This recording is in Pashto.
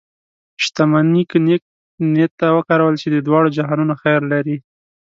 شتمني که نیک نیت ته وکارول شي، د دواړو جهانونو خیر لري.